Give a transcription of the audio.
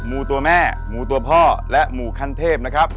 หมูตัวแม่หมูตัวพ่อและหมูขั้นเทพนะครับ